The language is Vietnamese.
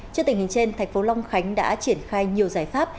trước tình hình trên thành phố long khánh đã triển khai nhiều giải pháp